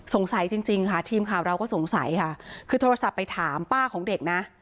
จริงจริงค่ะทีมข่าวเราก็สงสัยค่ะคือโทรศัพท์ไปถามป้าของเด็กนะ